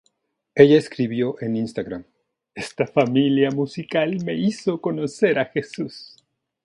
Ella escribió en Instagram: "Esta familia musical me hizo conocer a Jesús.